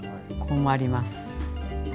こう回ります。